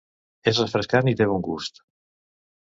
És refrescant i té bon gust.